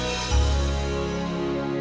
jangan lupa untuk berlangganan